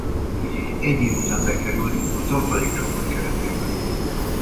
Egy év után bekerült a tartalék csapat keretébe.